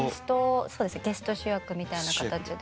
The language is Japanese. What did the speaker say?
そうですねゲスト主役みたいな形で。